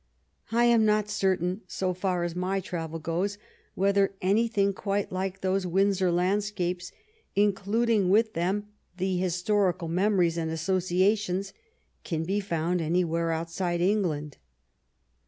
I am not certain, so far as my travel goes, whether anything quite like those Windsor landscapes, including with them the his torical memories and associations, can be found anywhere outside England.